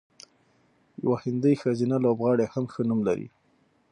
یوه هندۍ ښځینه لوبغاړې هم ښه نوم لري.